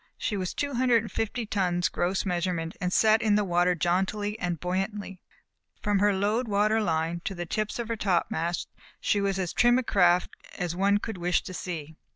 She was two hundred and fifty tons gross measurement and sat in the water jauntily and buoyantly. From her load water line to the tips of her topmast she was as trim a craft as one could wish to see.